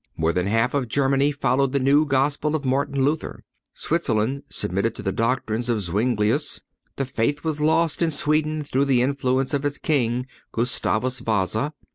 More than half of Germany followed the new Gospel of Martin Luther. Switzerland submitted to the doctrines of Zuinglius. The faith was lost in Sweden through the influence of its king, Gustavus Vasa.